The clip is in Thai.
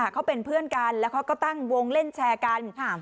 เขาเป็นเพื่อนกันแล้วเขาก็ตั้งวงเล่นแชร์กัน